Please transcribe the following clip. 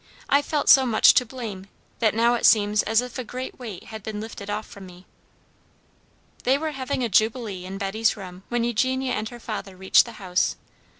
I felt so much to blame, that now it seems as if a great weight had been lifted off from me." They were having a jubilee in Betty's room when Eugenia and her father reached the house.